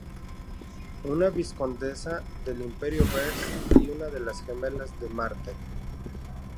Una Vizcondesa del Imperio Vers y una de las Gemelas de Marte.